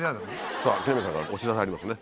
さぁ木南さんからお知らせありますね。